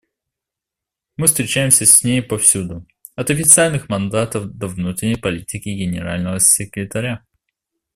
Мы встречаемся с ней повсюду: от официальных мандатов до внутренней политики Генерального секретаря.